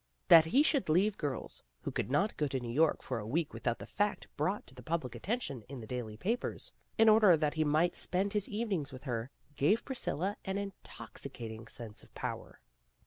That he should leave girls, who could not go to New York for a week without the fact brought to the public at tention in the daily papers, in order that he might spend his evenings with her, gave Priscilla an intoxicating sense of power.